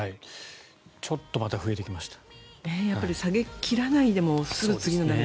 ちょっとまた増えてきました。